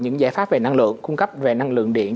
những giải pháp về năng lượng cung cấp về năng lượng điện